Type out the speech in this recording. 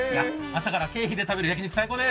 朝から経費で食べる焼き肉最高です！